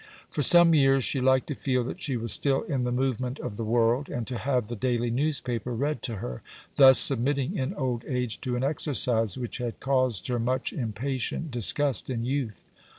For some years she liked to feel that she was still in the movement of the world, and to have the daily newspaper read to her thus submitting in old age to an exercise which had caused her much impatient disgust in youth.